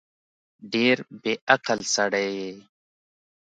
ډېر بیعقل سړی یې